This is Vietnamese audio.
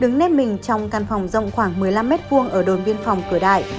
đứng nếp mình trong căn phòng rộng khoảng một mươi năm m hai ở đồn biên phòng cửa đại